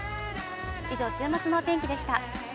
以上、週末のお天気でした。